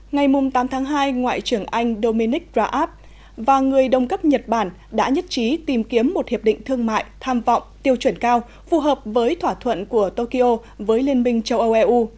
ngày tám tháng hai ngoại trưởng anh dominic raab và người đồng cấp nhật bản đã nhất trí tìm kiếm một hiệp định thương mại tham vọng tiêu chuẩn cao phù hợp với thỏa thuận của tokyo với liên minh châu âu eu